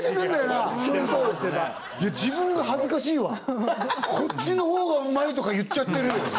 ないや自分が恥ずかしいわ「こっちの方がうまい」とか言っちゃってるよ